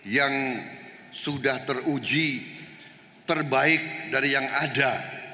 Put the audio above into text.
yang sudah teruji terbaik dari yang ada